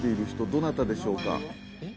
どなたでしょうか？